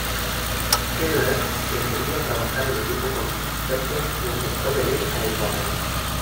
Kemmerer prefería trabajar en equipo con expertos y aceptó venir a Ecuador.